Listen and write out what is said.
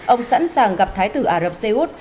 ông sẵn sàng gặp thái tử ả rập xê út